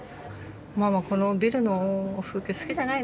「ママこのビルの風景好きじゃないな。